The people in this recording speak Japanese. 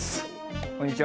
こんにちは。